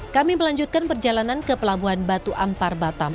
kami melanjutkan perjalanan ke pelabuhan batu ampar batam